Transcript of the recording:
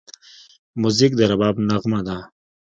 موزیک د رباب نغمه ده.